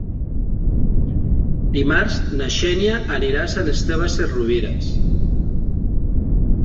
Dimarts na Xènia anirà a Sant Esteve Sesrovires.